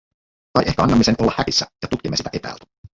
Tai ehkä annamme sen olla häkissä ja tutkimme sitä etäältä.